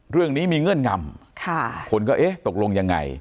เรื่องนี้มีเงื่อนงำคนก็เอ๊ะตกลงยังไง